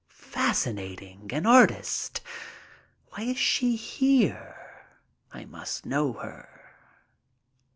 Fascinating! An artist ! Why is she here ? I must know her.